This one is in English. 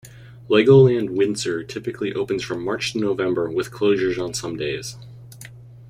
Legoland Windsor typically opens from March to November, with closures on some days.